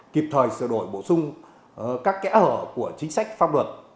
kịp thời sửa đổi bổ sung các kẽ hở của chính sách pháp luật